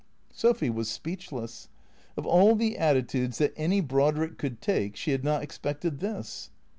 Sophy was speechless. Of all the attitudes that any Brod rick could take she had not expected this.